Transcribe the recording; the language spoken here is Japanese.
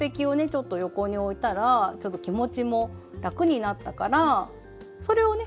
ちょっと横に置いたらちょっと気持ちも楽になったからそれをね